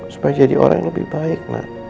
supaya jadi orang yang lebih baik